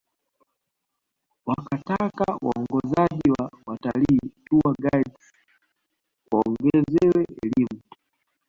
Wakataka waongozaji wa watalii tour guides waongezewe elimu